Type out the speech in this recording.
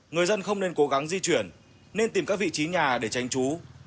người dân không nên cố gắng di chuyển nên tìm các vị trí nhà để tránh trú